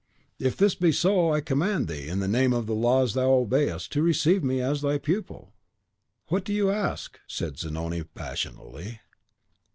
"If this be so, I command thee, in the name of the laws thou obeyest, to receive me as thy pupil!" "What do you ask?" said Zanoni, passionately.